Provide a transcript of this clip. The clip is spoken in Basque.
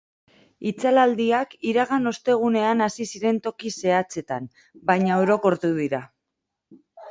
Itzalaldiak iragan ostegunean hasi ziren toki zehatzetan, baina orokortu dira.